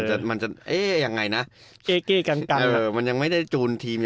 อ่ามันจะมันจะเอ๊ยยังไงนะเอเก้กันกันเออมันยังไม่ได้จูนทีม